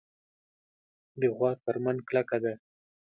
د غوا څرمن کلکه ده.